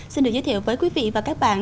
xin được giới thiệu với quý vị và các bạn